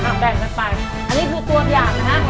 อันนี้คือตัวอย่างนะฮะ